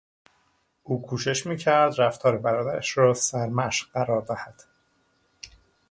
او کوشش میکرد رفتار برادرش را سرمشق قرار دهد.